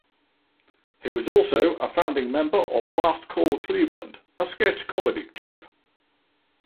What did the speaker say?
He was also a founding member of Last Call Cleveland, a sketch comedy troupe.